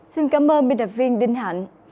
xin cảm ơn biên tập viên đinh hạnh